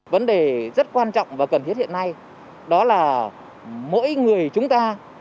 vấn đề rất quan trọng và cần thiết hiện nay đó là mỗi người chúng ta